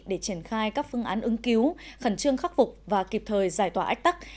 để triển khai các phương án ứng cứu khẩn trương khắc phục và kịp thời giải tỏa ách tắc